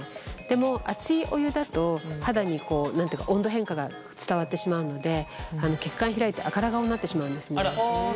でも熱いお湯だと肌に温度変化が伝わってしまうので血管開いて赤ら顔になってしまうんですね。